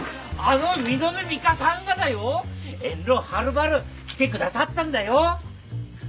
あの美濃部ミカさんがだよ遠路はるばる来てくださったんだよ？